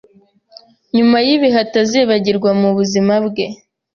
nyuma y’ibihe atazibagirwa mu buzima bwe